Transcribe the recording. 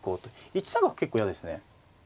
１三角結構嫌ですね。